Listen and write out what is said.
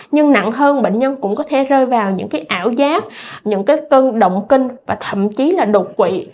nhưng nặng hơn bệnh nhân cũng có thể rơi vào những ảo giác những cân động kinh và thậm chí là đột quỵ